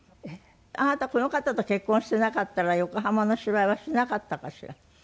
あなたこの方と結婚してなかったら横浜の芝居はしなかったかしら？